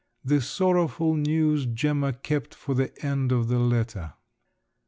The sorrowful news Gemma kept for the end of the letter.